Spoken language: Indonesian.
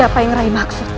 apa yang rai maksud